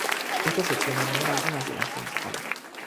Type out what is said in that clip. Esta sección enumera algunas de las principales.